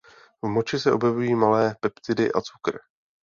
V moči se objevují malé peptidy a cukr.